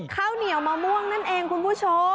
ข้าวเหนียวมะม่วงนั่นเองคุณผู้ชม